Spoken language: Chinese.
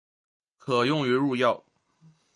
可用于入药。